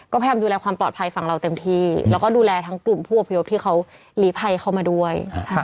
ก็พยายามดูแลความปลอดภัยฝั่งเราเต็มที่แล้วก็ดูแลทั้งกลุ่มผู้อพยพที่เขาหลีภัยเข้ามาด้วย